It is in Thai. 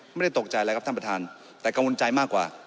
ไม่ได้ตกใจอะไรครับท่านประธานแต่กังวลใจมากกว่า